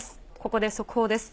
ここで速報です。